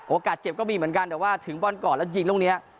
เจ็บก็มีเหมือนกันแต่ว่าถึงบอลก่อนแล้วยิงลูกนี้